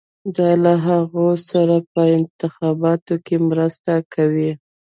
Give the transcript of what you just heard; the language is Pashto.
دا له هغوی سره په انتخاباتو کې مرسته کوي.